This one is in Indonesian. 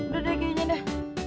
udah deh gini dah